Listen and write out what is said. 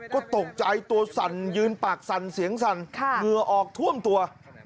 ก็ตกใจตัวสั่นยืนปากสั่นเหลือออกท่วมตัว